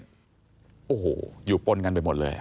โอ้โหอยู่ปนกันไปหมดเลย